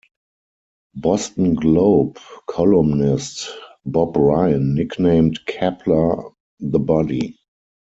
Boston Globe columnist Bob Ryan nicknamed Kapler The Body.